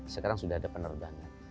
sekarang sudah ada penerbangan